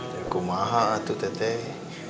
teguh maha tuh teteh